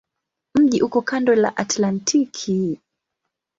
Mji uko kando la Atlantiki.